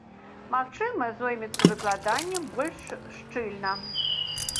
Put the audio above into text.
Магчыма, зоймецца выкладаннем больш шчыльна.